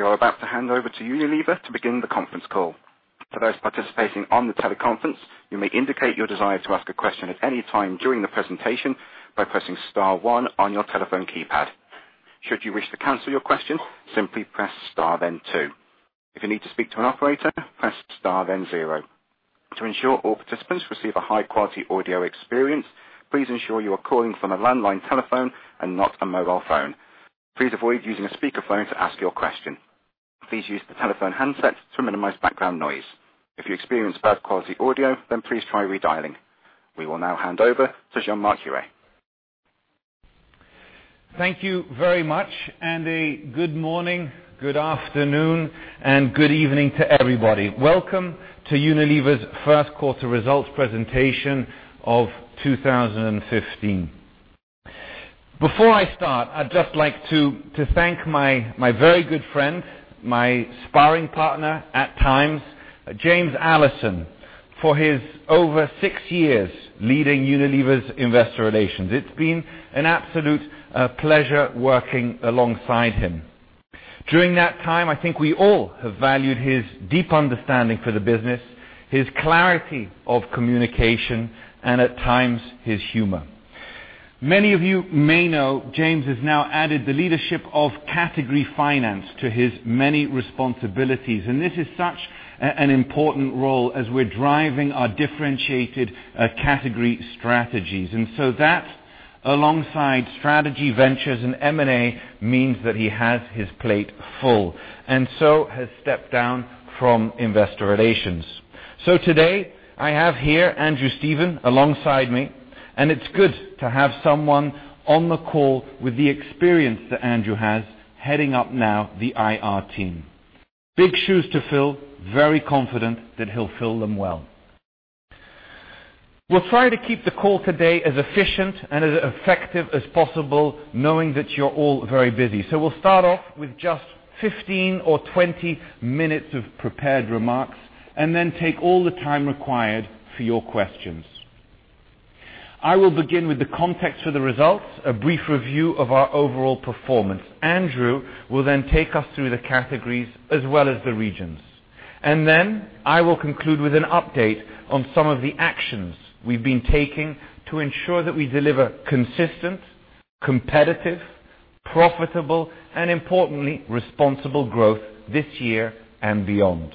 We are about to hand over to Unilever to begin the conference call. For those participating on the teleconference, you may indicate your desire to ask a question at any time during the presentation by pressing star one on your telephone keypad. Should you wish to cancel your question, simply press star, then two. If you need to speak to an operator, press star, then zero. To ensure all participants receive a high-quality audio experience, please ensure you are calling from a landline telephone and not a mobile phone. Please avoid using a speakerphone to ask your question. Please use the telephone handset to minimize background noise. If you experience bad quality audio, please try redialing. We will now hand over to Jean-Marc Huët. Thank you very much. A good morning, good afternoon, and good evening to everybody. Welcome to Unilever's first quarter results presentation of 2015. Before I start, I'd just like to thank my very good friend, my sparring partner at times, James Allison, for his over 6 years leading Unilever's Investor Relations. It's been an absolute pleasure working alongside him. During that time, I think we all have valued his deep understanding for the business, his clarity of communication, and at times, his humor. Many of you may know James has now added the leadership of category finance to his many responsibilities. This is such an important role as we're driving our differentiated category strategies. That, alongside strategy ventures and M&A, means that he has his plate full, and so has stepped down from Investor Relations. Today I have here Andrew Stephen alongside me, and it's good to have someone on the call with the experience that Andrew has heading up now the IR team. Big shoes to fill, very confident that he'll fill them well. We'll try to keep the call today as efficient and as effective as possible, knowing that you're all very busy. We'll start off with just 15 or 20 minutes of prepared remarks, and then take all the time required for your questions. I will begin with the context for the results, a brief review of our overall performance. Andrew will take us through the categories as well as the regions. I will conclude with an update on some of the actions we've been taking to ensure that we deliver consistent, competitive, profitable, and importantly, responsible growth this year and beyond.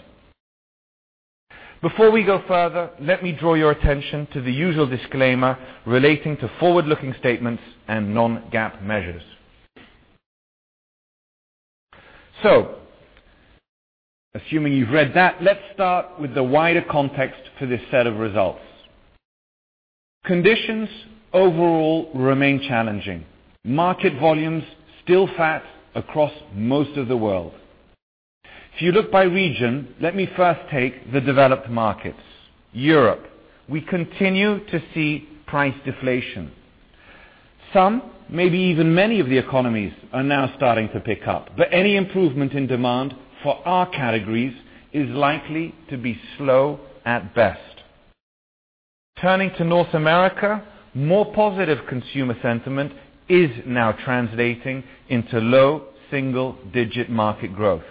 Before we go further, let me draw your attention to the usual disclaimer relating to forward-looking statements and non-GAAP measures. Assuming you've read that, let's start with the wider context for this set of results. Conditions overall remain challenging. Market volumes still flat across most of the world. If you look by region, let me first take the developed markets. Europe, we continue to see price deflation. Some, maybe even many of the economies are now starting to pick up. Any improvement in demand for our categories is likely to be slow at best. Turning to North America, more positive consumer sentiment is now translating into low single-digit market growth.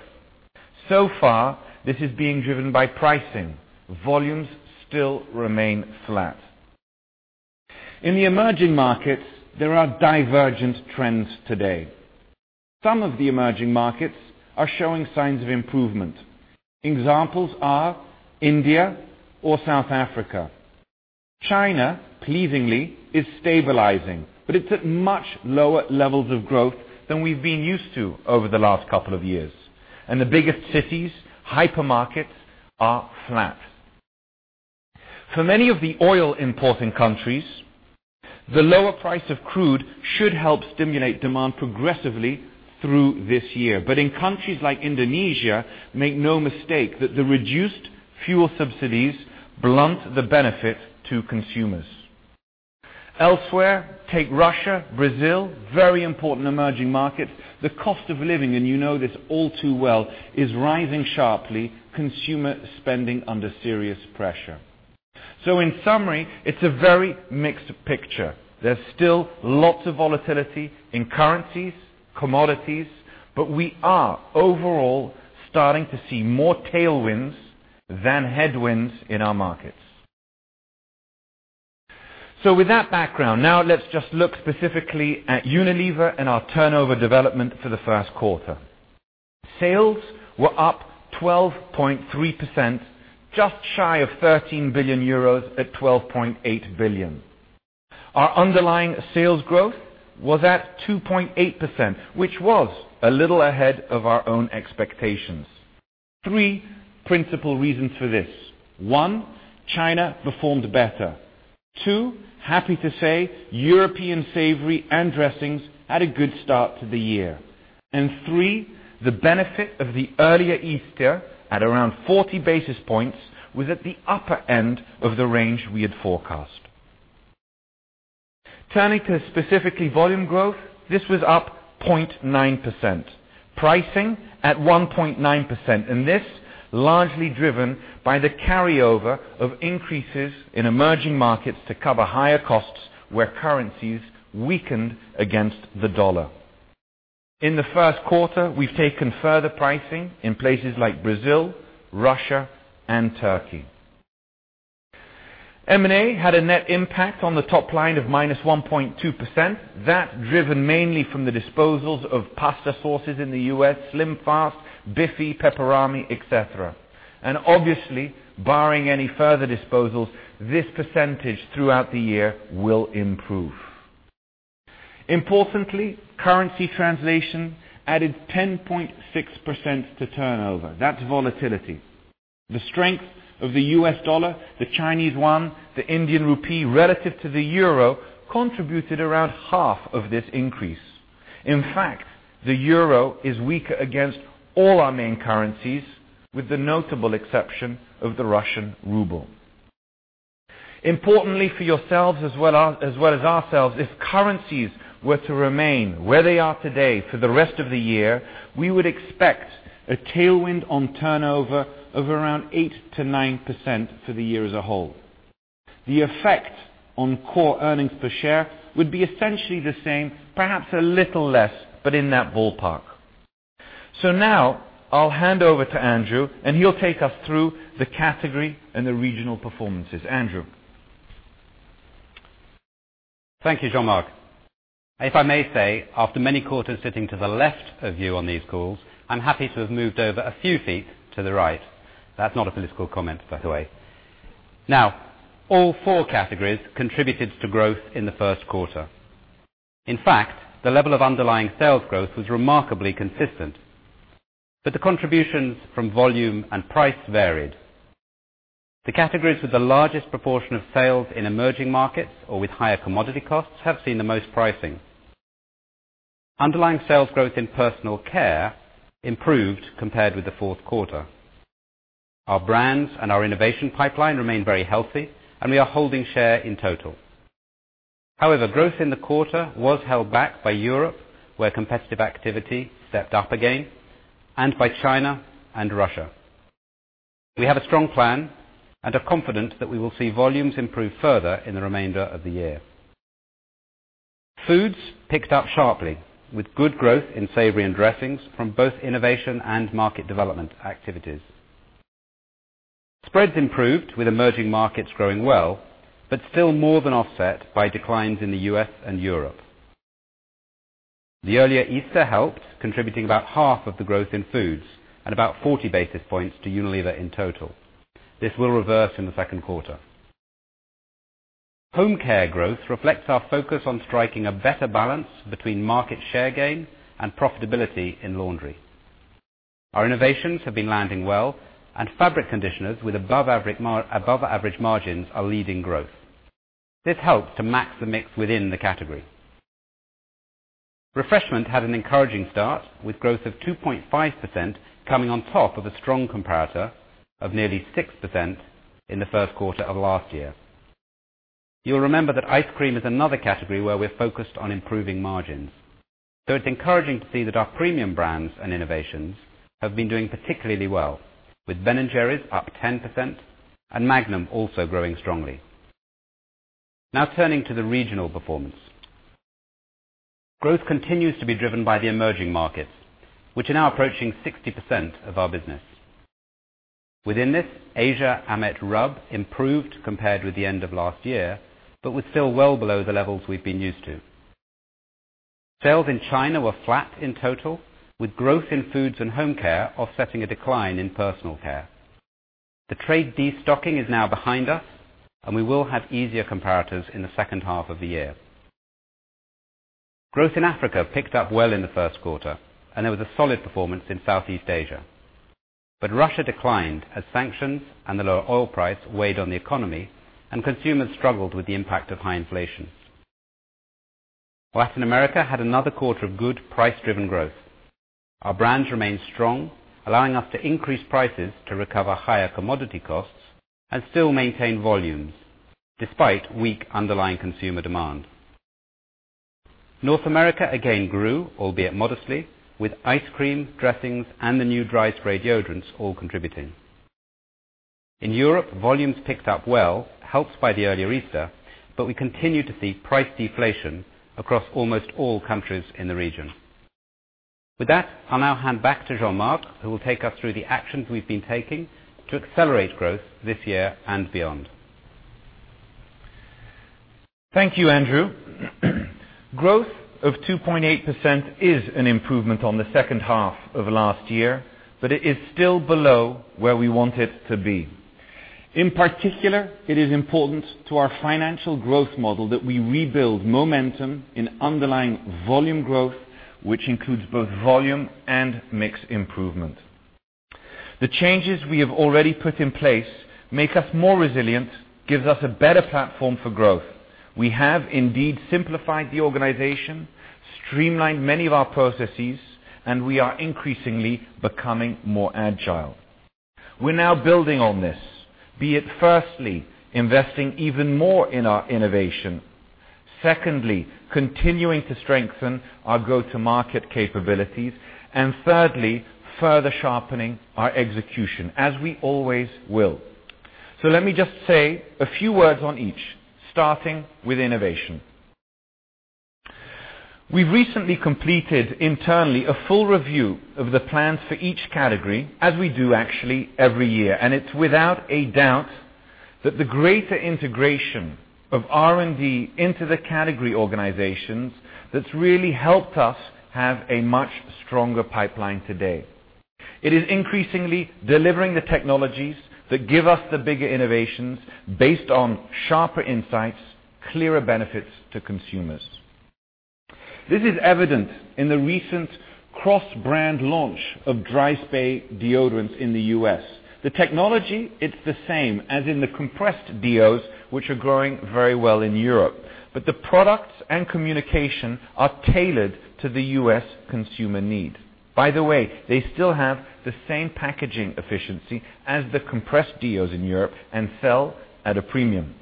So far, this is being driven by pricing. Volumes still remain flat. In the emerging markets, there are divergent trends today. Some of the emerging markets are showing signs of improvement. Examples are India or South Africa. China, pleasingly, is stabilizing, but it's at much lower levels of growth than we've been used to over the last couple of years. The biggest cities, hypermarkets, are flat. For many of the oil importing countries, the lower price of crude should help stimulate demand progressively through this year. In countries like Indonesia, make no mistake that the reduced fuel subsidies blunt the benefit to consumers. Elsewhere, take Russia, Brazil, very important emerging markets. The cost of living, and you know this all too well, is rising sharply, consumer spending under serious pressure. In summary, it's a very mixed picture. There's still lots of volatility in currencies, commodities, but we are overall starting to see more tailwinds than headwinds in our markets. With that background, now let's just look specifically at Unilever and our turnover development for the first quarter. Sales were up 12.3%, just shy of 13 billion euros at 12.8 billion. Our underlying sales growth was at 2.8%, which was a little ahead of our own expectations. Three principal reasons for this. One, China performed better. Two, happy to say, European savory and dressings had a good start to the year. Three, the benefit of the earlier Easter at around 40 basis points was at the upper end of the range we had forecast. Turning to specifically volume growth, this was up 0.9%, pricing at 1.9%, and this largely driven by the carryover of increases in emerging markets to cover higher costs where currencies weakened against the U.S. dollar. In the first quarter, we've taken further pricing in places like Brazil, Russia, and Turkey. M&A had a net impact on the top line of -1.2%, that driven mainly from the disposals of pasta sauces in the U.S., SlimFast, BiFi, Peperami, et cetera. Obviously, barring any further disposals, this percentage throughout the year will improve. Importantly, currency translation added 10.6% to turnover. That's volatility. The strength of the U.S. dollar, the Chinese yuan, the Indian rupee relative to the EUR contributed around half of this increase. In fact, the EUR is weaker against all our main currencies, with the notable exception of the Russian ruble. Importantly for yourselves as well as ourselves, if currencies were to remain where they are today for the rest of the year, we would expect a tailwind on turnover of around 8%-9% for the year as a whole. The effect on core EPS would be essentially the same, perhaps a little less, but in that ballpark. Now I'll hand over to Andrew, and he'll take us through the category and the regional performances. Andrew? Thank you, Jean-Marc. If I may say, after many quarters sitting to the left of you on these calls, I'm happy to have moved over a few feet to the right. That's not a political comment, by the way. All four categories contributed to growth in the first quarter. In fact, the level of underlying sales growth was remarkably consistent. The contributions from volume and price varied. The categories with the largest proportion of sales in emerging markets or with higher commodity costs have seen the most pricing. Underlying sales growth in personal care improved compared with the fourth quarter. Our brands and our innovation pipeline remain very healthy, and we are holding share in total. Growth in the quarter was held back by Europe, where competitive activity stepped up again, and by China and Russia. We have a strong plan and are confident that we will see volumes improve further in the remainder of the year. Foods picked up sharply, with good growth in savory and dressings from both innovation and market development activities. Spreads improved with emerging markets growing well, but still more than offset by declines in the U.S. and Europe. The earlier Easter helped, contributing about half of the growth in foods and about 40 basis points to Unilever in total. This will reverse in the second quarter. Home care growth reflects our focus on striking a better balance between market share gain and profitability in laundry. Our innovations have been landing well, and fabric conditioners with above average margins are leading growth. This helps to max the mix within the category. Refreshment had an encouraging start, with growth of 2.5% coming on top of a strong comparator of nearly 6% in the first quarter of last year. You will remember that ice cream is another category where we're focused on improving margins. It's encouraging to see that our premium brands and innovations have been doing particularly well, with Ben & Jerry's up 10% and Magnum also growing strongly. Turning to the regional performance. Growth continues to be driven by the emerging markets, which are now approaching 60% of our business. Within this, Asia/AMET/RUB improved compared with the end of last year, but was still well below the levels we've been used to. Sales in China were flat in total, with growth in Foods and Home care offsetting a decline in Personal care. The trade destocking is now behind us. We will have easier comparatives in the second half of the year. Growth in Africa picked up well in the first quarter, and there was a solid performance in Southeast Asia. Russia declined as sanctions and the lower oil price weighed on the economy, and consumers struggled with the impact of high inflation. Latin America had another quarter of good price-driven growth. Our brands remained strong, allowing us to increase prices to recover higher commodity costs and still maintain volumes despite weak underlying consumer demand. North America again grew, albeit modestly, with ice cream, dressings, and the new Dry Spray antiperspirants all contributing. In Europe, volumes picked up well, helped by the earlier Easter, we continue to see price deflation across almost all countries in the region. With that, I'll now hand back to Jean-Marc, who will take us through the actions we've been taking to accelerate growth this year and beyond. Thank you, Andrew. Growth of 2.8% is an improvement on the second half of last year, but it is still below where we want it to be. In particular, it is important to our financial growth model that we rebuild momentum in underlying volume growth, which includes both volume and mix improvement. The changes we have already put in place make us more resilient, gives us a better platform for growth. We have indeed simplified the organization, streamlined many of our processes, and we are increasingly becoming more agile. We are now building on this, be it firstly, investing even more in our innovation. Secondly, continuing to strengthen our go-to-market capabilities. Thirdly, further sharpening our execution, as we always will. Let me just say a few words on each, starting with innovation. We recently completed internally a full review of the plans for each category, as we do actually every year. It's without a doubt that the greater integration of R&D into the category organizations that's really helped us have a much stronger pipeline today. It is increasingly delivering the technologies that give us the bigger innovations based on sharper insights, clearer benefits to consumers. This is evident in the recent cross-brand launch of Dry Spray deodorants in the U.S. The technology, it's the same as in the compressed deos, which are growing very well in Europe. The products and communication are tailored to the U.S. consumer need. By the way, they still have the same packaging efficiency as the compressed deos in Europe and sell at a premium.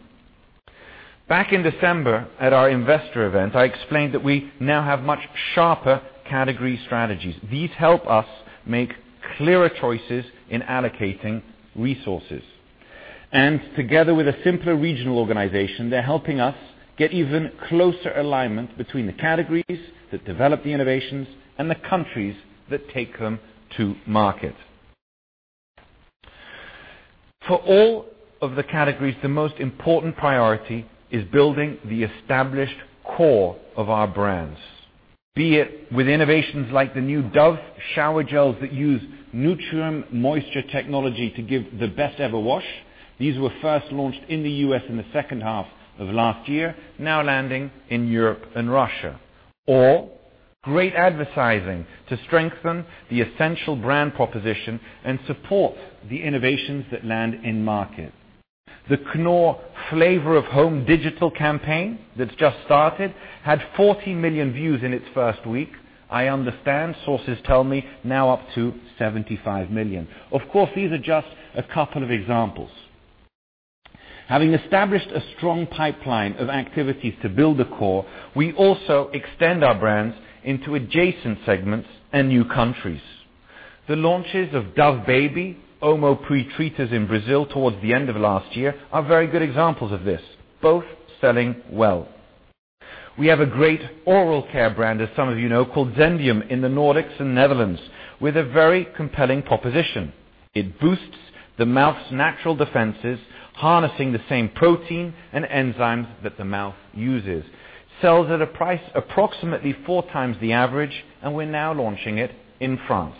Back in December at our investor event, I explained that we now have much sharper category strategies. These help us make clearer choices in allocating resources, and together with a simpler regional organization, they're helping us get even closer alignment between the categories that develop the innovations and the countries that take them to market. For all of the categories, the most important priority is building the established core of our brands, be it with innovations like the new Dove shower gels that use Nutrium Moisture technology to give the best ever wash. These were first launched in the U.S. in the second half of last year, now landing in Europe and Russia. Or great advertising to strengthen the essential brand proposition and support the innovations that land in market. The Knorr Flavor of Home digital campaign that's just started had 40 million views in its first week. I understand, sources tell me, now up to 75 million. Of course, these are just a couple of examples. Having established a strong pipeline of activities to build a core, we also extend our brands into adjacent segments and new countries. The launches of Baby Dove, Omo Tira Manchas in Brazil towards the end of last year are very good examples of this, both selling well. We have a great oral care brand, as some of you know, called Zendium in the Nordics and Netherlands with a very compelling proposition. It boosts the mouth's natural defenses, harnessing the same protein and enzymes that the mouth uses. Sells at a price approximately four times the average, and we're now launching it in France.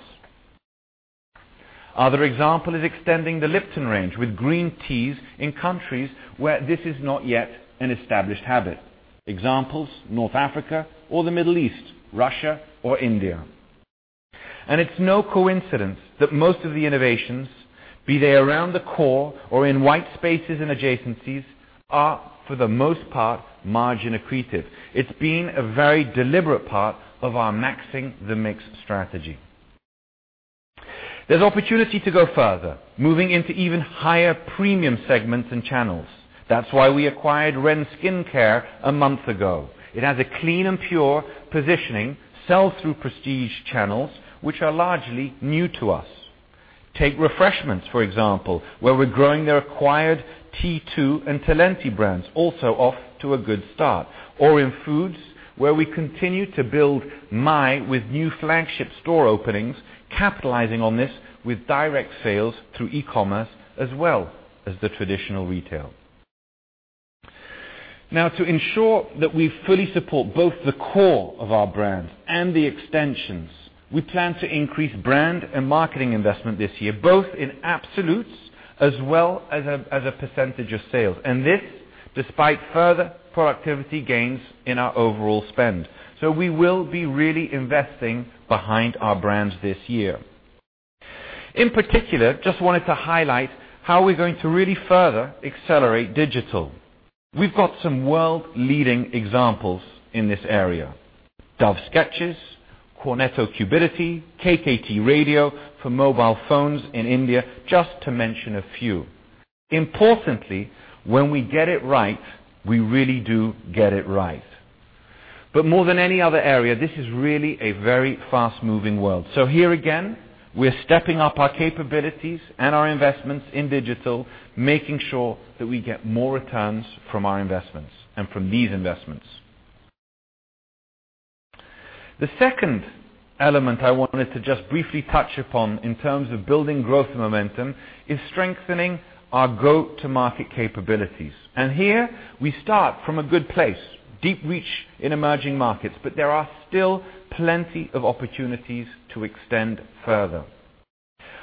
Other example is extending the Lipton range with green teas in countries where this is not yet an established habit. Examples, North Africa or the Middle East, Russia or India. It's no coincidence that most of the innovations, be they around the core or in white spaces and adjacencies, are for the most part margin accretive. It's been a very deliberate part of our Maxing the Mix strategy. There's opportunity to go further, moving into even higher premium segments and channels. That's why we acquired REN Skincare a month ago. It has a clean and pure positioning, sells through prestige channels, which are largely new to us. Take refreshments, for example, where we're growing their acquired T2 and Talenti brands, also off to a good start. Or in foods, where we continue to build Maille with new flagship store openings, capitalizing on this with direct sales through e-commerce as well as the traditional retail. To ensure that we fully support both the core of our brands and the extensions, we plan to increase brand and marketing investment this year, both in absolutes as well as a percentage of sales, and this despite further productivity gains in our overall spend. We will be really investing behind our brands this year. In particular, just wanted to highlight how we're going to really further accelerate digital. We've got some world-leading examples in this area. Dove Sketches, Cornetto Cupidity, KKT Radio for mobile phones in India, just to mention a few. Importantly, when we get it right, we really do get it right. More than any other area, this is really a very fast-moving world. Here again, we're stepping up our capabilities and our investments in digital, making sure that we get more returns from our investments and from these investments. The second element I wanted to just briefly touch upon in terms of building growth momentum is strengthening our go-to-market capabilities. Here we start from a good place, deep reach in emerging markets, but there are still plenty of opportunities to extend further.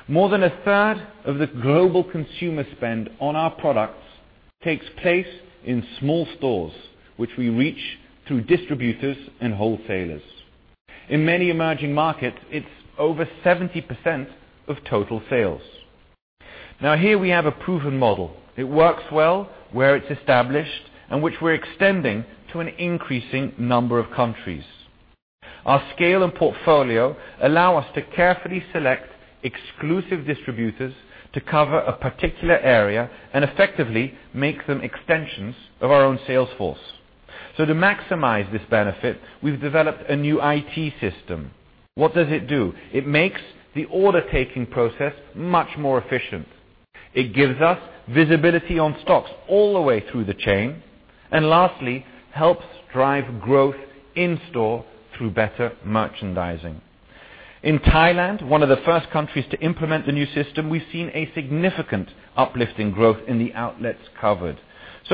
More than a third of the global consumer spend on our products takes place in small stores, which we reach through distributors and wholesalers. In many emerging markets, it's over 70% of total sales. Here we have a proven model. It works well where it's established and which we're extending to an increasing number of countries. Our scale and portfolio allow us to carefully select exclusive distributors to cover a particular area and effectively make them extensions of our own sales force. To maximize this benefit, we've developed a new IT system. What does it do? It makes the order-taking process much more efficient. It gives us visibility on stocks all the way through the chain. Lastly, helps drive growth in-store through better merchandising. In Thailand, one of the first countries to implement the new system, we've seen a significant uplift in growth in the outlets covered.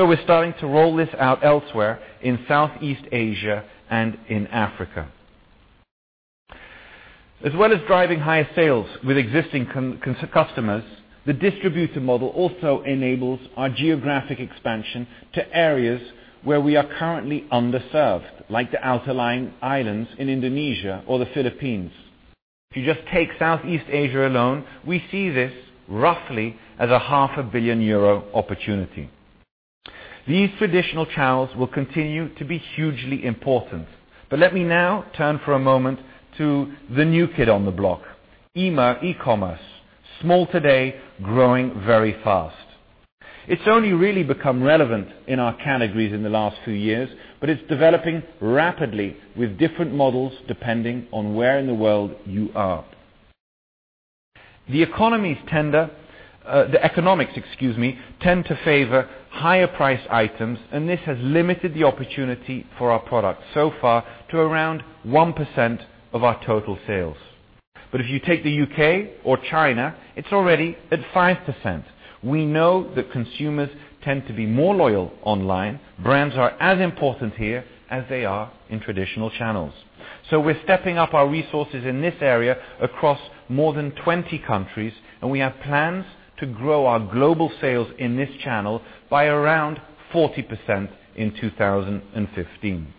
We're starting to roll this out elsewhere in Southeast Asia and in Africa. As well as driving higher sales with existing customers, the distributor model also enables our geographic expansion to areas where we are currently underserved, like the outlying islands in Indonesia or the Philippines. If you just take Southeast Asia alone, we see this roughly as a half a billion EUR opportunity. These traditional channels will continue to be hugely important. Let me now turn for a moment to the new kid on the block, e-commerce, small today, growing very fast. It's only really become relevant in our categories in the last few years, but it's developing rapidly with different models depending on where in the world you are. The economics tend to favor higher priced items, and this has limited the opportunity for our product so far to around 1% of our total sales. If you take the U.K. or China, it's already at 5%. We know that consumers tend to be more loyal online. Brands are as important here as they are in traditional channels. We're stepping up our resources in this area across more than 20 countries, and we have plans to grow our global sales in this channel by around 40% in 2015.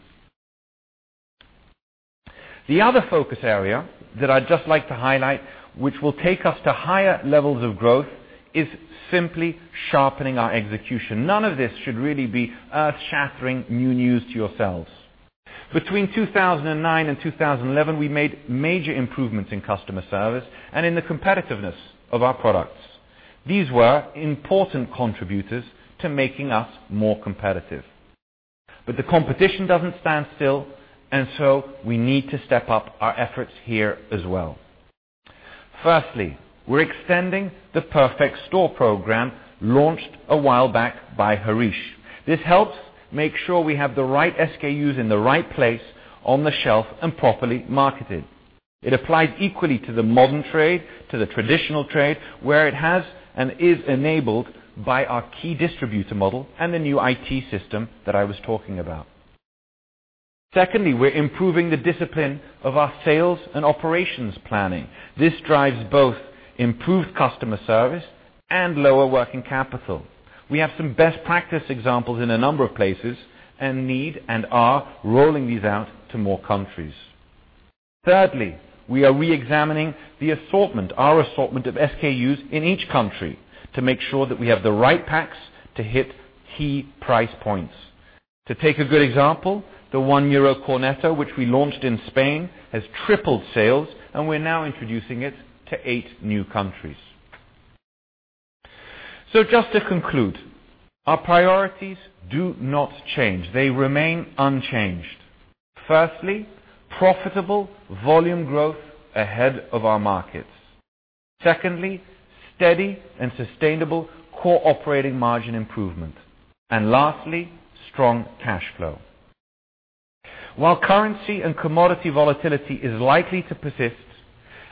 The other focus area that I'd just like to highlight, which will take us to higher levels of growth, is simply sharpening our execution. None of this should really be earth-shattering new news to yourselves. Between 2009 and 2011, we made major improvements in customer service and in the competitiveness of our products. These were important contributors to making us more competitive. The competition doesn't stand still, and so we need to step up our efforts here as well. Firstly, we're extending the Perfect Store program launched a while back by Harish. This helps make sure we have the right SKUs in the right place on the shelf and properly marketed. It applies equally to the modern trade, to the traditional trade, where it has and is enabled by our key distributor model and the new IT system that I was talking about. Secondly, we're improving the discipline of our sales and operations planning. This drives both improved customer service and lower working capital. We have some best practice examples in a number of places and need and are rolling these out to more countries. Thirdly, we are re-examining our assortment of SKUs in each country to make sure that we have the right packs to hit key price points. To take a good example, the 1 euro Cornetto, which we launched in Spain, has tripled sales, and we're now introducing it to eight new countries. Just to conclude, our priorities do not change. They remain unchanged. Firstly, profitable volume growth ahead of our markets. Secondly, steady and sustainable core operating margin improvement. Lastly, strong cash flow. While currency and commodity volatility is likely to persist,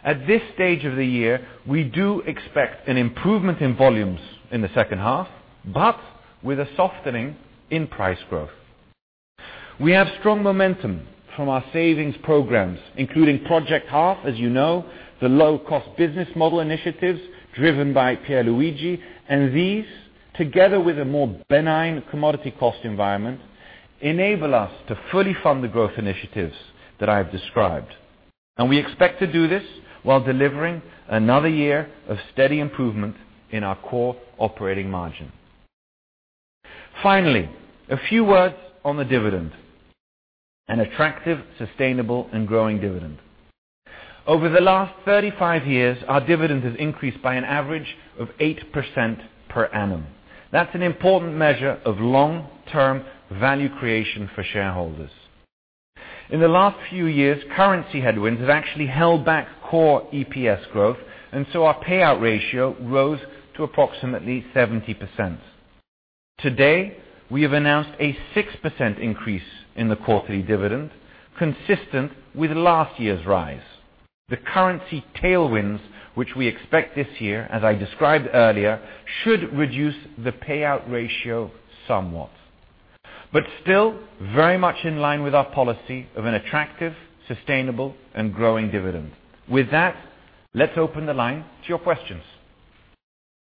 at this stage of the year, we do expect an improvement in volumes in the second half, but with a softening in price growth. We have strong momentum from our savings programs, including Project Half, as you know, the low-cost business model initiatives driven by Pierluigi, and these, together with a more benign commodity cost environment, enable us to fully fund the growth initiatives that I've described. We expect to do this while delivering another year of steady improvement in our core operating margin. Finally, a few words on the dividend. An attractive, sustainable, and growing dividend. Over the last 35 years, our dividend has increased by an average of 8% per annum. That's an important measure of long-term value creation for shareholders. In the last few years, currency headwinds have actually held back core EPS growth, so our payout ratio rose to approximately 70%. Today, we have announced a 6% increase in the quarterly dividend, consistent with last year's rise. The currency tailwinds, which we expect this year, as I described earlier, should reduce the payout ratio somewhat. Still, very much in line with our policy of an attractive, sustainable, and growing dividend. With that, let's open the line to your questions.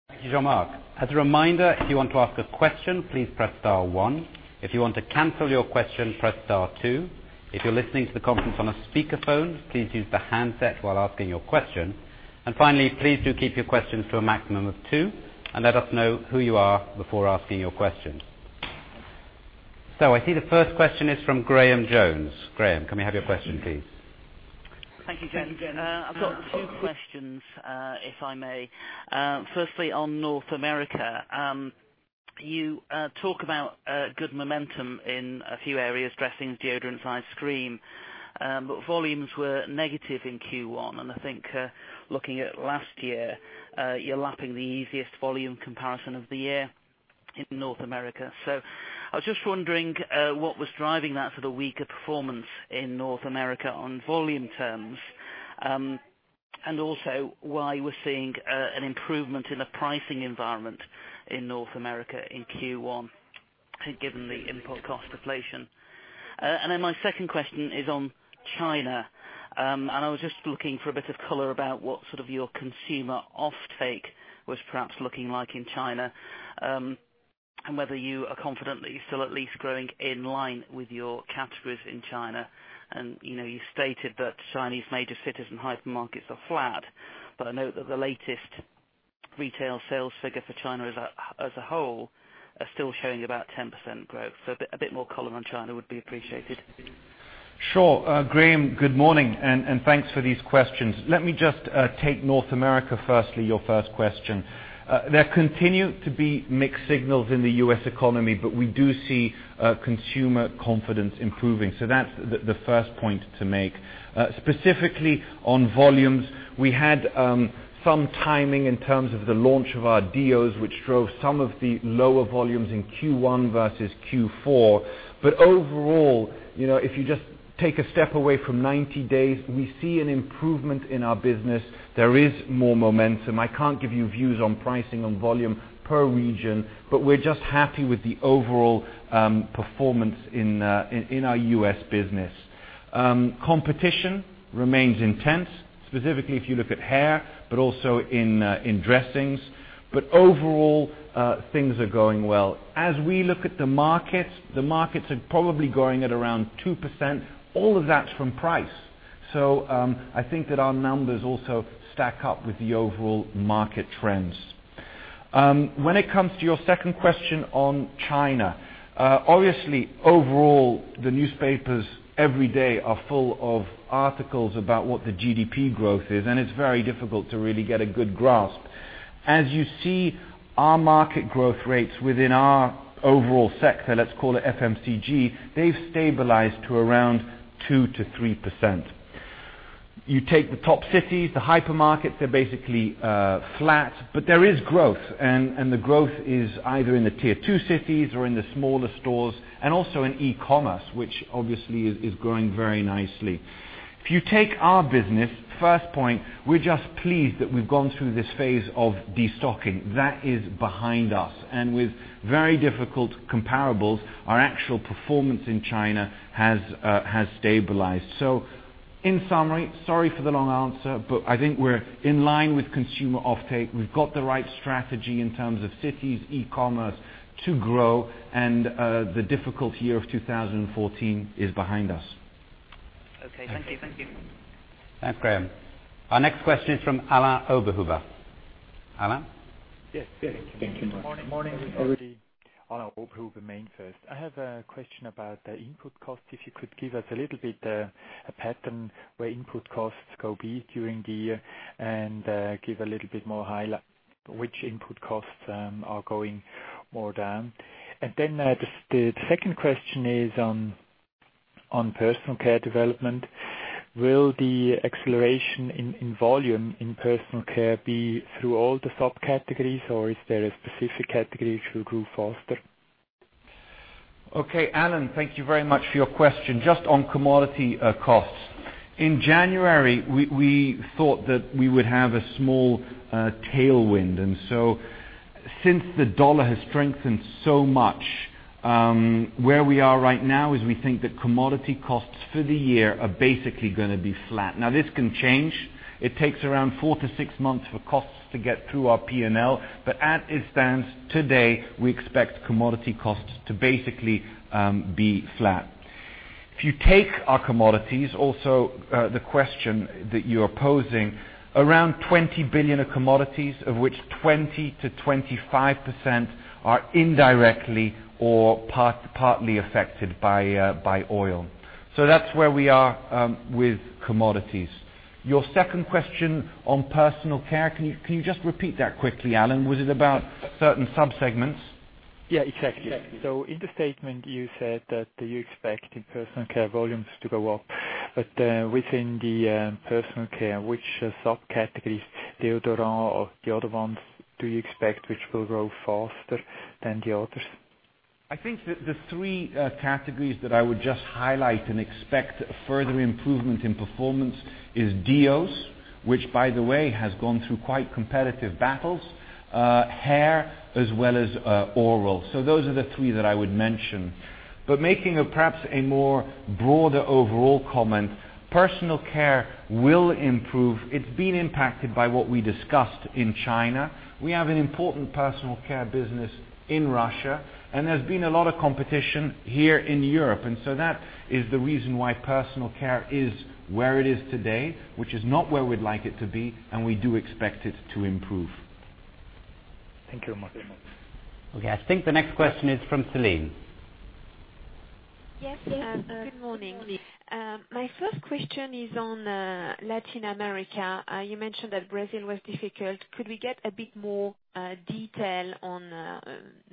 Thank you, Jean-Marc. As a reminder, if you want to ask a question, please press star one. If you want to cancel your question, press star two. If you're listening to the conference on a speakerphone, please use the handset while asking your question. Finally, please do keep your questions to a maximum of two, and let us know who you are before asking your question. I see the first question is from Graham Jones. Graham, can we have your question, please? Thank you, Jean. I've got two questions, if I may. Firstly, on North America. You talk about good momentum in a few areas, dressings, deodorants, Ice Cream, but volumes were negative in Q1. I think looking at last year, you're lapping the easiest volume comparison of the year in North America. I was just wondering what was driving that sort of weaker performance in North America on volume terms, and also why we're seeing an improvement in the pricing environment in North America in Q1, given the input cost deflation. Then my second question is on China. I was just looking for a bit of color about what sort of your consumer offtake was perhaps looking like in China, and whether you are confident that you're still at least growing in line with your categories in China. You stated that Chinese major cities and hypermarkets are flat, I know that the latest retail sales figure for China as a whole are still showing about 10% growth. A bit more color on China would be appreciated. Sure. Graham, good morning, and thanks for these questions. Let me just take North America firstly, your first question. There continue to be mixed signals in the U.S. economy, we do see consumer confidence improving. That's the first point to make. Specifically on volumes, we had some timing in terms of the launch of our DEOs, which drove some of the lower volumes in Q1 versus Q4. Overall, if you just take a step away from 90 days, we see an improvement in our business. There is more momentum. I can't give you views on pricing on volume per region, we're just happy with the overall performance in our U.S. business. Competition remains intense, specifically if you look at hair, also in dressings. Overall, things are going well. As we look at the markets, the markets are probably growing at around 2%. All of that's from price. I think that our numbers also stack up with the overall market trends. When it comes to your second question on China, obviously, overall, the newspapers every day are full of articles about what the GDP growth is, it's very difficult to really get a good grasp. As you see, our market growth rates within our overall sector, let's call it FMCG, they've stabilized to around 2%-3%. You take the top cities, the hypermarkets are basically flat, there is growth, the growth is either in the tier 2 cities or in the smaller stores and also in e-commerce, which obviously is growing very nicely. If you take our business, first point, we're just pleased that we've gone through this phase of destocking. That is behind us. With very difficult comparables, our actual performance in China has stabilized. In summary, sorry for the long answer, I think we're in line with consumer offtake. We've got the right strategy in terms of cities, e-commerce to grow, the difficult year of 2014 is behind us. Okay. Thank you. Okay. Thanks, Graham. Our next question is from Alain Oberhuber. Alain? Yes. Thank you. Good morning. Morning. This is Alain Oberhuber, MainFirst. I have a question about the input cost. If you could give us a little bit, a pattern where input costs will be during the year and give a little bit more highlight which input costs are going more down. The second question is on personal care development. Will the acceleration in volume in personal care be through all the subcategories, or is there a specific category which will grow faster? Okay, Alain, thank you very much for your question. Just on commodity costs. In January, we thought that we would have a small tailwind. Since the U.S. dollar has strengthened so much, where we are right now is we think that commodity costs for the year are basically going to be flat. Now, this can change. It takes around four to six months for costs to get through our P&L, but as it stands today, we expect commodity costs to basically be flat. If you take our commodities, also the question that you're posing, around 20 billion of commodities, of which 20%-25% are indirectly or partly affected by oil. That's where we are with commodities. Your second question on personal care, can you just repeat that quickly, Alain? Was it about certain subsegments? Yeah, exactly. In the statement, you said that you're expecting personal care volumes to go up. Within the personal care, which subcategories, deodorant or the other ones, do you expect which will grow faster? I think the 3 categories that I would just highlight and expect further improvement in performance is deos, which by the way, has gone through quite competitive battles, hair, as well as oral. Those are the 3 that I would mention. Making perhaps a more broader overall comment, personal care will improve. It's been impacted by what we discussed in China. We have an important personal care business in Russia, and there's been a lot of competition here in Europe. That is the reason why personal care is where it is today, which is not where we'd like it to be, and we do expect it to improve. Thank you very much. Okay, I think the next question is from Celine. Yes. Good morning. Good morning. My first question is on Latin America. You mentioned that Brazil was difficult. Could we get a bit more detail on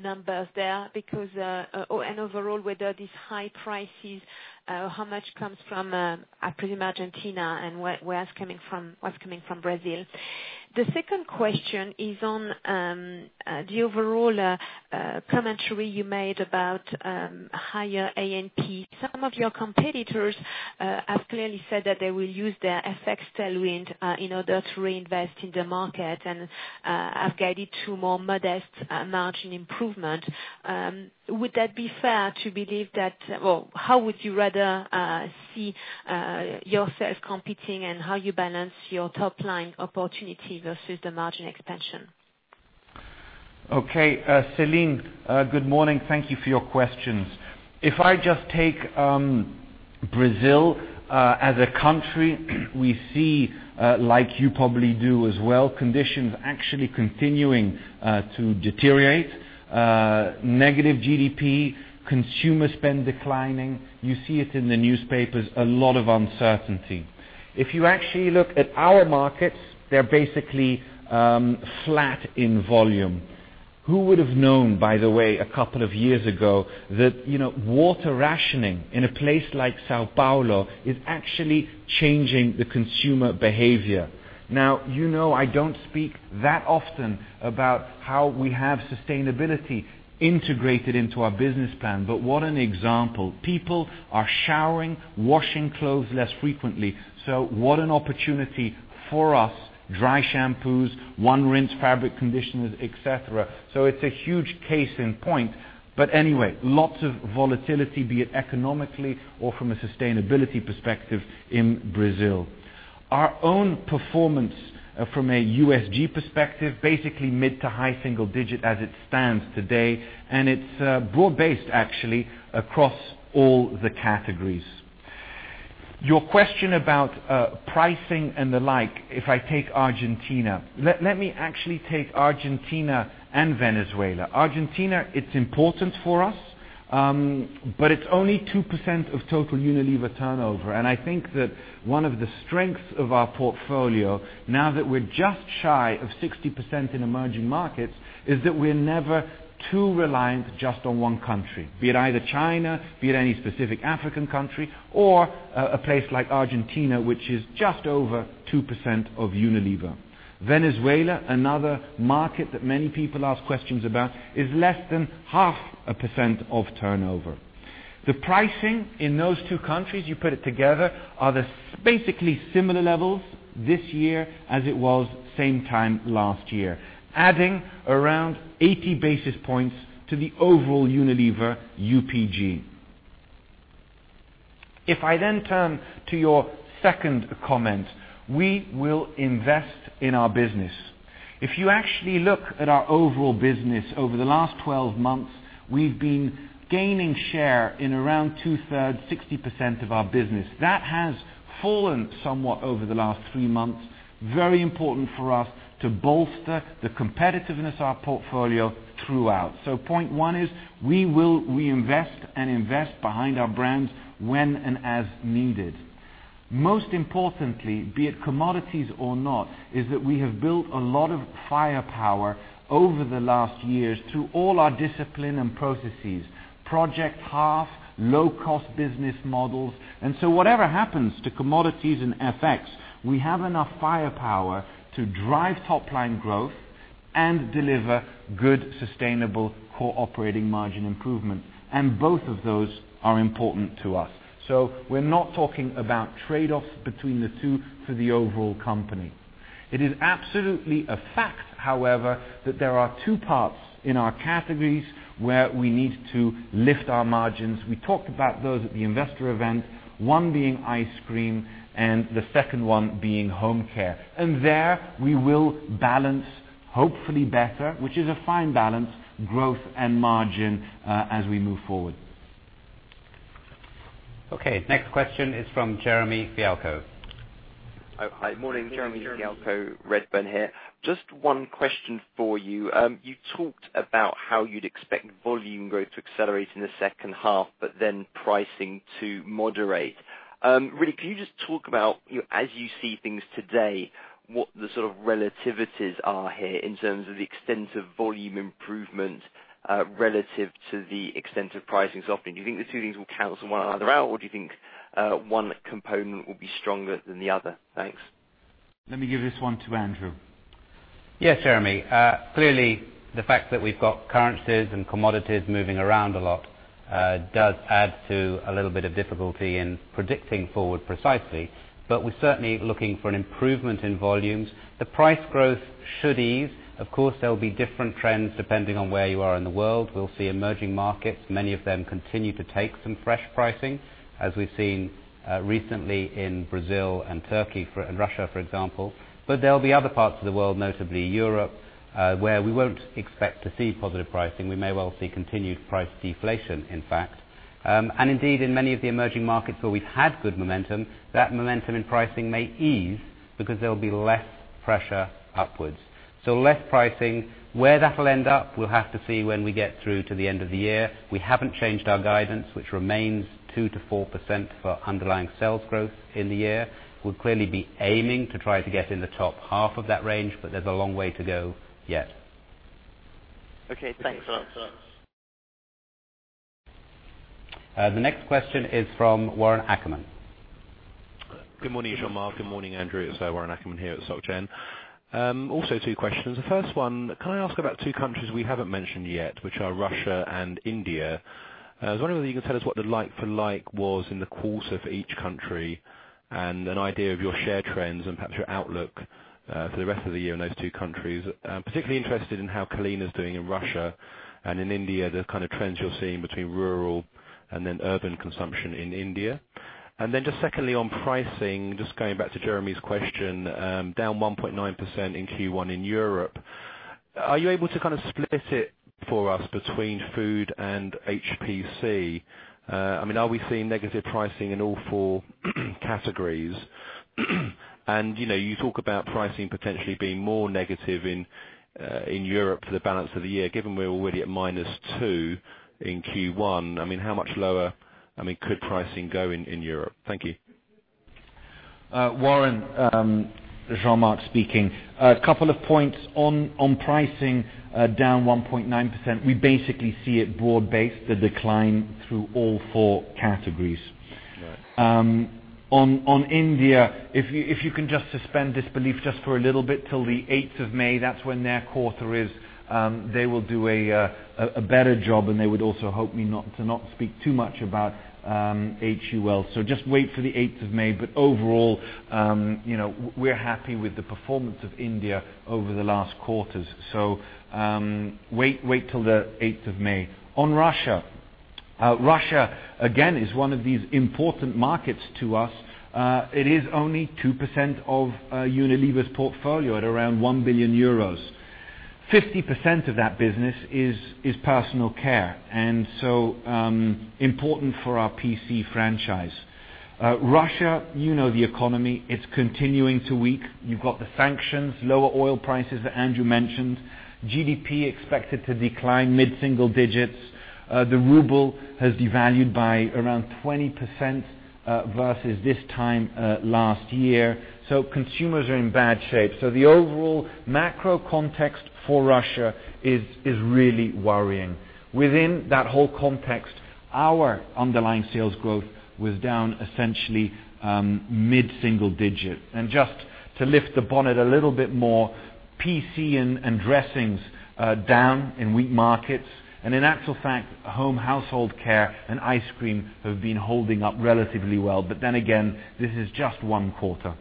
numbers there? Overall, whether these high prices, how much comes from, I presume Argentina, and what's coming from Brazil? The second question is on the overall commentary you made about higher A&P. Some of your competitors have clearly said that they will use their FX tailwind in order to reinvest in the market, and have guided to more modest margin improvement. How would you rather see yourself competing, and how you balance your top line opportunity versus the margin expansion? Okay. Celine, good morning. Thank you for your questions. If I just take Brazil as a country, we see, like you probably do as well, conditions actually continuing to deteriorate. Negative GDP, consumer spend declining. You see it in the newspapers, a lot of uncertainty. If you actually look at our markets, they're basically flat in volume. Who would have known, by the way, a couple of years ago, that water rationing in a place like São Paulo is actually changing the consumer behavior. Now, you know I don't speak that often about how we have sustainability integrated into our business plan, but what an example. People are showering, washing clothes less frequently. What an opportunity for us. Dry shampoos, one rinse fabric conditioners, et cetera. It's a huge case in point. Anyway, lots of volatility, be it economically or from a sustainability perspective in Brazil. Our own performance from a USG perspective, basically mid to high single digit as it stands today, and it's broad-based actually across all the categories. Your question about pricing and the like, if I take Argentina. Let me actually take Argentina and Venezuela. Argentina, it's important for us, but it's only 2% of total Unilever turnover. I think that one of the strengths of our portfolio, now that we're just shy of 60% in emerging markets, is that we're never too reliant just on one country, be it either China, be it any specific African country, or a place like Argentina, which is just over 2% of Unilever. Venezuela, another market that many people ask questions about, is less than half a percent of turnover. The pricing in those two countries, you put it together, are basically similar levels this year as it was same time last year, adding around 80 basis points to the overall Unilever UPG. If I then turn to your second comment, we will invest in our business. If you actually look at our overall business over the last 12 months, we've been gaining share in around two thirds, 60% of our business. That has fallen somewhat over the last three months. Very important for us to bolster the competitiveness of our portfolio throughout. Point one is, we will reinvest and invest behind our brands when and as needed. Most importantly, be it commodities or not, is that we have built a lot of firepower over the last years through all our discipline and processes. Project Half, low-cost business models. Whatever happens to commodities and FX, we have enough firepower to drive top line growth and deliver good, sustainable core operating margin improvement. Both of those are important to us. We're not talking about trade-offs between the two for the overall company. It is absolutely a fact, however, that there are two parts in our categories where we need to lift our margins. We talked about those at the investor event, one being ice cream and the second one being home care. There we will balance, hopefully better, which is a fine balance, growth and margin as we move forward. Okay. Next question is from Jeremy Fialko. Hi. Morning, Jeremy Fialko, Redburn here. Just one question for you. You talked about how you'd expect volume growth to accelerate in the second half, pricing to moderate. Really, can you just talk about, as you see things today, what the sort of relativities are here in terms of the extent of volume improvement relative to the extent of pricing softening? Do you think the two things will cancel one another out, or do you think one component will be stronger than the other? Thanks. Let me give this one to Andrew. Yes, Jeremy. Clearly, the fact that we've got currencies and commodities moving around a lot does add to a little bit of difficulty in predicting forward precisely. We're certainly looking for an improvement in volumes. The price growth should ease. Of course, there'll be different trends depending on where you are in the world. We'll see emerging markets, many of them continue to take some fresh pricing, as we've seen recently in Brazil and Turkey and Russia, for example. There'll be other parts of the world, notably Europe, where we won't expect to see positive pricing. We may well see continued price deflation, in fact. Indeed, in many of the emerging markets where we've had good momentum, that momentum in pricing may ease because there'll be less pressure upwards. Less pricing. Where that'll end up, we'll have to see when we get through to the end of the year. We haven't changed our guidance, which remains 2% to 4% for underlying sales growth in the year. We'll clearly be aiming to try to get in the top half of that range, but there's a long way to go yet. Okay, thanks. The next question is from Warren Ackerman. Good morning, Jean-Marc. Good morning, Andrew. It's Warren Ackerman here at Societe Generale. I also have two questions. The first one, can I ask about two countries we haven't mentioned yet, which are Russia and India. I was wondering whether you can tell us what the like for like was in the quarter for each country, and an idea of your share trends and perhaps your outlook for the rest of the year in those two countries. I'm particularly interested in how Kalina is doing in Russia, and in India, the kind of trends you're seeing between rural and then urban consumption in India. Secondly, on pricing, just going back to Jeremy Fialko's question, down 1.9% in Q1 in Europe. Are you able to kind of split it for us between food and HPC? Are we seeing negative pricing in all four categories? You talk about pricing potentially being more negative in Europe for the balance of the year, given we're already at -2% in Q1. How much lower could pricing go in Europe? Thank you. Warren, Jean-Marc speaking. A couple of points on pricing down 1.9%. We basically see it broad-based, the decline through all four categories. Right. On India, if you can just suspend disbelief just for a little bit till the 8th of May. That's when their quarter is. They will do a better job, and they would also hope me to not speak too much about Hindustan Unilever Limited. Just wait for the 8th of May. Overall, we're happy with the performance of India over the last quarters. Wait till the 8th of May. On Russia. Russia, again, is one of these important markets to us. It is only 2% of Unilever's portfolio at around 1 billion euros. 50% of that business is personal care, and so important for our PC franchise. Russia, you know the economy. It's continuing to weaken. You've got the sanctions, lower oil prices that Andrew mentioned. GDP expected to decline mid-single digits. The ruble has devalued by around 20% versus this time last year. Consumers are in bad shape. The overall macro context for Russia is really worrying. Within that whole context, our underlying sales growth was down essentially mid-single digit. Just to lift the bonnet a little bit more, PC and dressings are down in weak markets. In actual fact, home household care and ice cream have been holding up relatively well. This is just one quarter.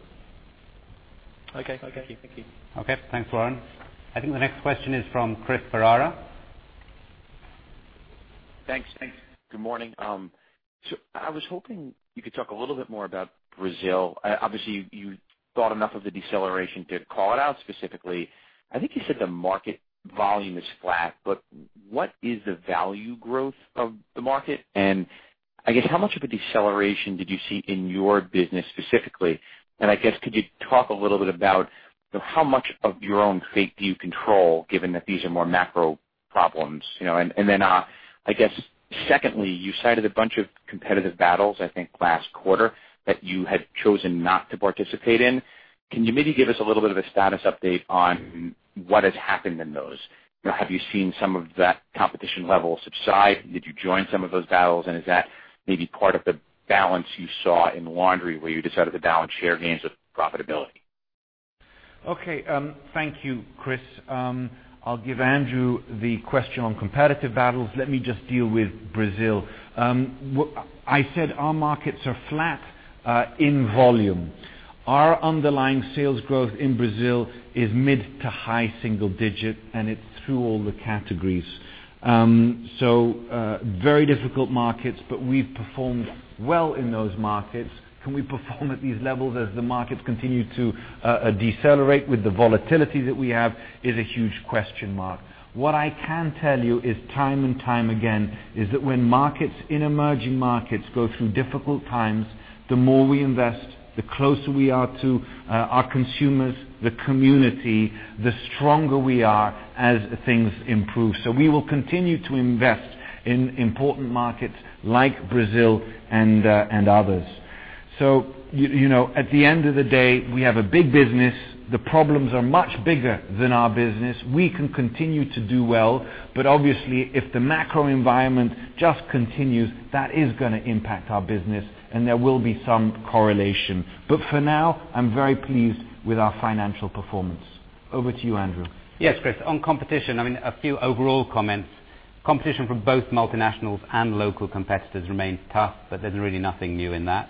Okay. Thank you. Okay. Thanks, Warren. I think the next question is from Chris Ferrara. Thanks. Good morning. I was hoping you could talk a little bit more about Brazil. Obviously, you thought enough of the deceleration to call it out specifically. I think you said the market volume is flat, but what is the value growth of the market? I guess how much of a deceleration did you see in your business specifically? I guess could you talk a little bit about how much of your own fate do you control given that these are more macro problems? I guess secondly, you cited a bunch of competitive battles, I think last quarter, that you had chosen not to participate in. Can you maybe give us a little bit of a status update on what has happened in those? Have you seen some of that competition level subside? Did you join some of those battles? Is that maybe part of the balance you saw in laundry where you decided to balance share gains with profitability? Okay. Thank you, Chris. I'll give Andrew the question on competitive battles. Let me just deal with Brazil. I said our markets are flat in volume. Our underlying sales growth in Brazil is mid to high single-digit, and it's through all the categories. Very difficult markets, but we've performed well in those markets. Can we perform at these levels as the markets continue to decelerate with the volatility that we have is a huge question mark. What I can tell you is time and time again is that when markets in emerging markets go through difficult times, the more we invest, the closer we are to our consumers, the community, the stronger we are as things improve. We will continue to invest in important markets like Brazil and others. At the end of the day, we have a big business. The problems are much bigger than our business. We can continue to do well, but obviously, if the macro environment just continues, that is going to impact our business, and there will be some correlation. For now, I'm very pleased with our financial performance. Over to you, Andrew. Yes, Chris. On competition, a few overall comments. Competition from both multinationals and local competitors remains tough, but there's really nothing new in that.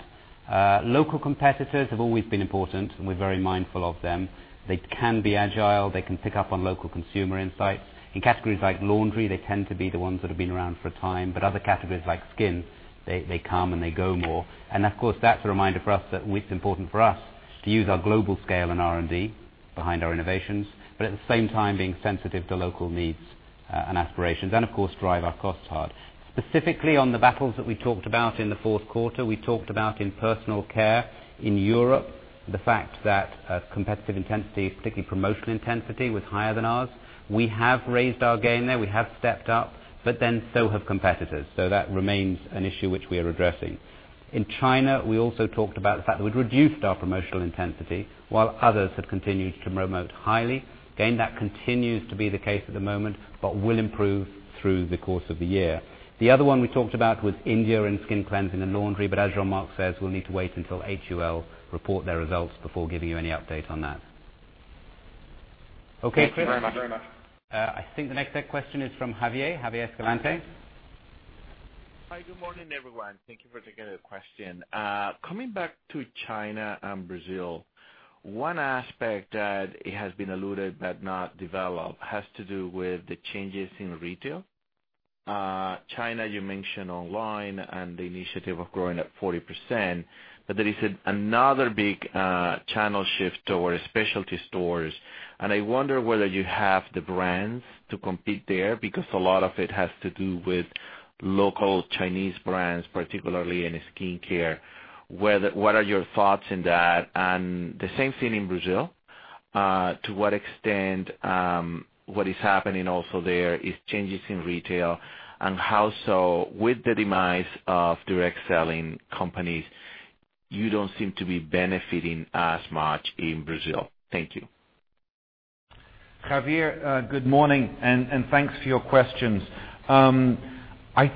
Local competitors have always been important, and we're very mindful of them. They can be agile. They can pick up on local consumer insights. In categories like laundry, they tend to be the ones that have been around for a time. Other categories like skin, they come, and they go more. Of course, that's a reminder for us that it's important for us to use our global scale in R&D behind our innovations, but at the same time being sensitive to local needs and aspirations, and of course drive our costs hard. Specifically on the battles that we talked about in the fourth quarter, we talked about in personal care in Europe, the fact that competitive intensity, particularly promotional intensity, was higher than ours. We have raised our game there, we have stepped up, but then so have competitors. That remains an issue which we are addressing. In China, we also talked about the fact that we'd reduced our promotional intensity while others had continued to promote highly. Again, that continues to be the case at the moment, but will improve through the course of the year. The other one we talked about was India and skin cleansing and laundry. As Jean-Marc says, we'll need to wait until HUL report their results before giving you any update on that. Okay, Chris? Thank you very much. I think the next question is from Javier. Javier Escalante. Hi, good morning, everyone. Thank you for taking the question. Coming back to China and Brazil, one aspect that has been alluded but not developed has to do with the changes in retail. China, you mentioned online and the initiative of growing at 40%, but there is another big channel shift towards specialty stores, and I wonder whether you have the brands to compete there, because a lot of it has to do with local Chinese brands, particularly in skincare. What are your thoughts in that? The same thing in Brazil. To what extent what is happening also there is changes in retail and how so with the demise of direct selling companies, you don't seem to be benefiting as much in Brazil. Thank you. Javier, good morning, and thanks for your questions. I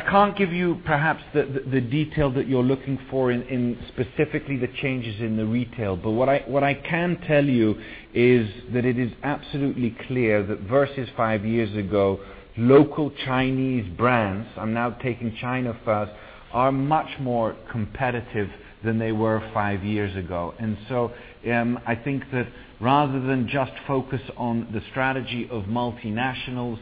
can't give you perhaps the detail that you're looking for in specifically the changes in the retail, but what I can tell you is that it is absolutely clear that versus five years ago, local Chinese brands, I'm now taking China first, are much more competitive than they were five years ago. I think that rather than just focus on the strategy of multinationals,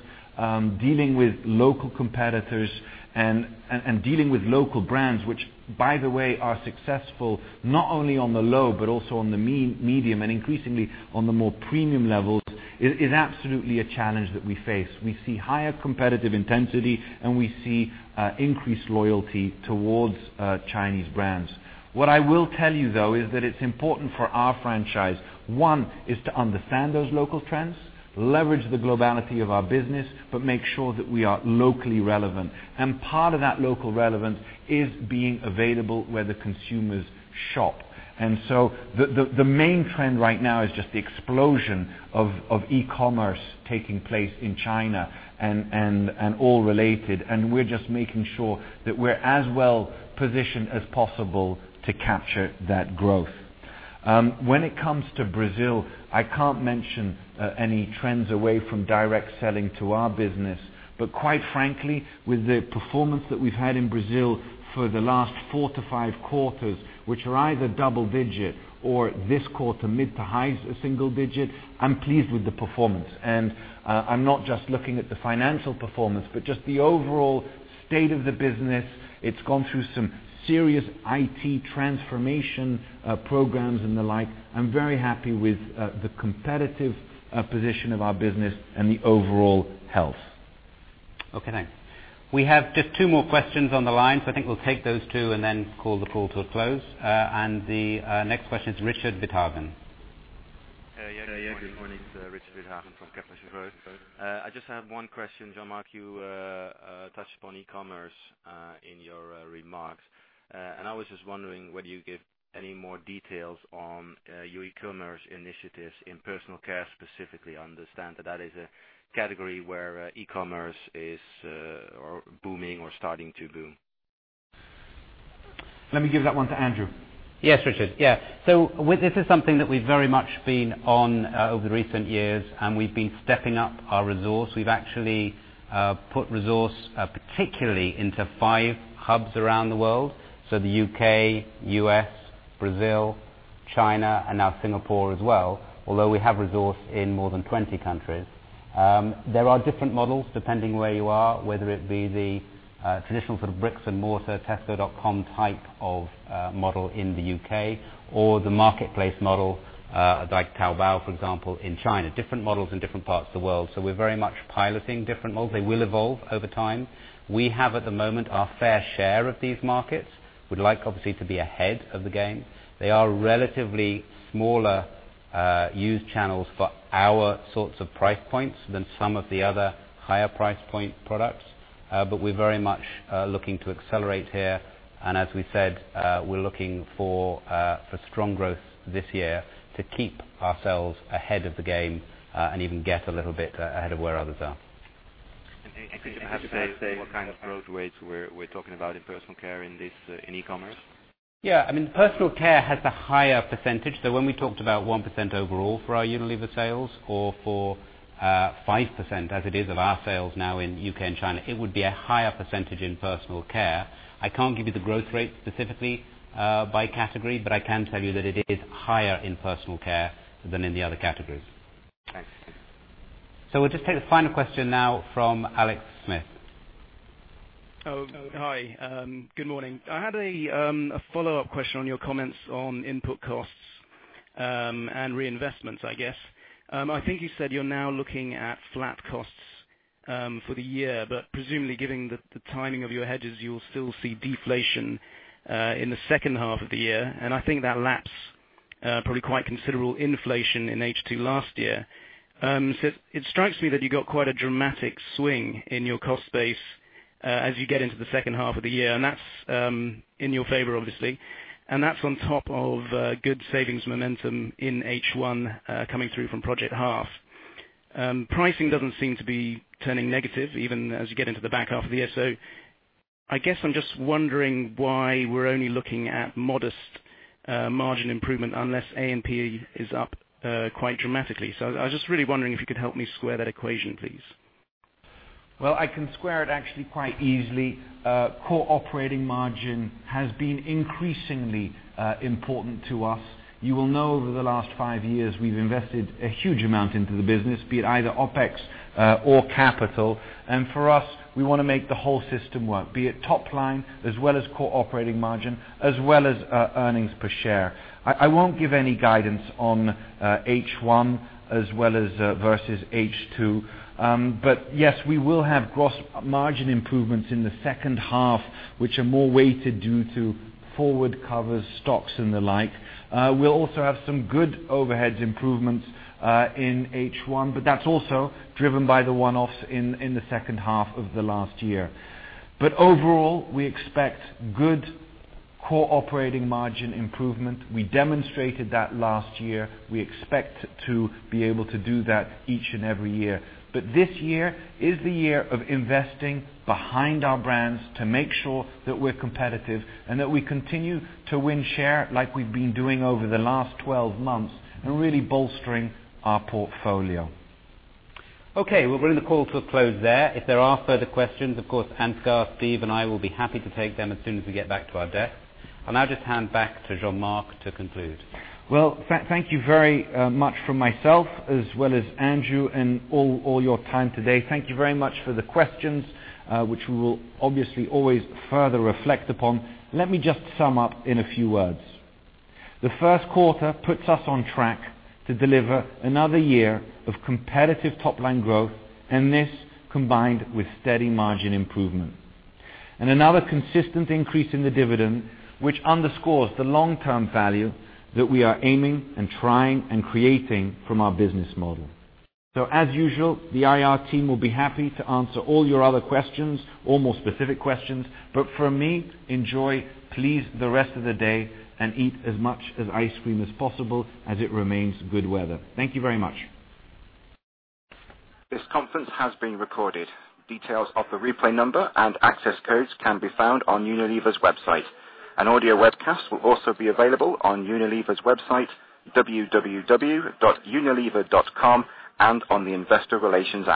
dealing with local competitors and dealing with local brands, which, by the way, are successful not only on the low but also on the medium and increasingly on the more premium levels, is absolutely a challenge that we face. We see higher competitive intensity, and we see increased loyalty towards Chinese brands. What I will tell you, though, is that it's important for our franchise. One is to understand those local trends, leverage the globality of our business, but make sure that we are locally relevant. Part of that local relevance is being available where the consumers shop. The main trend right now is just the explosion of e-commerce taking place in China and all related, and we're just making sure that we're as well-positioned as possible to capture that growth. When it comes to Brazil, I can't mention any trends away from direct selling to our business. Quite frankly, with the performance that we've had in Brazil for the last four to five quarters, which are either double-digit or this quarter mid to high single-digit, I'm pleased with the performance. I'm not just looking at the financial performance, but just the overall state of the business. It's gone through some serious IT transformation programs and the like. I'm very happy with the competitive position of our business and the overall health. Okay, thanks. We have just two more questions on the line. I think we'll take those two and then call the call to a close. The next question is Richard Withagen. Yeah. Good morning. It's Richard Withagen from Kepler Cheuvreux. I just have one question, Jean-Marc. You touched upon e-commerce in your remarks. I was just wondering whether you give any more details on your e-commerce initiatives in personal care specifically. I understand that that is a category where e-commerce is booming or starting to boom. Let me give that one to Andrew. Yes, Richard. Yeah. This is something that we've very much been on over the recent years, and we've been stepping up our resource. We've actually put resource particularly into five hubs around the world. The U.K., U.S., Brazil, China, and now Singapore as well, although we have resource in more than 20 countries. There are different models depending where you are, whether it be the traditional sort of bricks and mortar, tesco.com type of model in the U.K. or the marketplace model, like Taobao, for example, in China. Different models in different parts of the world. We're very much piloting different models. They will evolve over time. We have, at the moment, our fair share of these markets. We'd like, obviously, to be ahead of the game. They are relatively smaller used channels for our sorts of price points than some of the other higher price point products. We're very much looking to accelerate here. As we said, we're looking for strong growth this year to keep ourselves ahead of the game and even get a little bit ahead of where others are. Could you perhaps say what kind of growth rates we're talking about in personal care in e-commerce? Yeah. Personal care has a higher percentage. When we talked about 1% overall for our Unilever sales or for 5% as it is of our sales now in U.K. and China, it would be a higher percentage in personal care. I can't give you the growth rate specifically by category, but I can tell you that it is higher in personal care than in the other categories. Thanks. We'll just take the final question now from Alex Smith. Oh, hi. Good morning. I had a follow-up question on your comments on input costs and reinvestments, I guess. I think you said you're now looking at flat costs for the year, but presumably, given the timing of your hedges, you'll still see deflation in the second half of the year. I think that laps probably quite considerable inflation in H2 last year. It strikes me that you got quite a dramatic swing in your cost base as you get into the second half of the year, and that's in your favor, obviously. That's on top of good savings momentum in H1, coming through from Project Half. Pricing doesn't seem to be turning negative even as you get into the back half of the year. I guess I'm just wondering why we're only looking at modest margin improvement unless A&P is up quite dramatically. I was just really wondering if you could help me square that equation, please. Well, I can square it actually quite easily. Core operating margin has been increasingly important to us. You will know over the last five years, we've invested a huge amount into the business, be it either OpEx or capital. For us, we want to make the whole system work, be it top line as well as core operating margin, as well as earnings per share. I won't give any guidance on H1 as well as versus H2. Yes, we will have gross margin improvements in the second half, which are more weighted due to forward cover stocks and the like. We'll also have some good overheads improvements in H1, that's also driven by the one-offs in the second half of the last year. Overall, we expect good core operating margin improvement. We demonstrated that last year. We expect to be able to do that each and every year. This year is the year of investing behind our brands to make sure that we're competitive and that we continue to win share like we've been doing over the last 12 months, and really bolstering our portfolio. Okay, we'll bring the call to a close there. If there are further questions, of course, Ansgar, Steve, and I will be happy to take them as soon as we get back to our desks. I'll now just hand back to Jean-Marc to conclude. Well, thank you very much from myself as well as Andrew and all your time today. Thank you very much for the questions, which we will obviously always further reflect upon. Let me just sum up in a few words. The first quarter puts us on track to deliver another year of competitive top-line growth, this combined with steady margin improvement. Another consistent increase in the dividend, which underscores the long-term value that we are aiming and trying and creating from our business model. As usual, the IR team will be happy to answer all your other questions, all more specific questions. For me, enjoy, please, the rest of the day and eat as much as ice cream as possible as it remains good weather. Thank you very much. This conference has been recorded. Details of the replay number and access codes can be found on Unilever's website. An audio webcast will also be available on Unilever's website, www.unilever.com, and on the investor relations app.